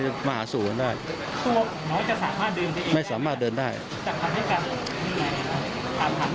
จะผ่านให้การเดินที่ไหนครับ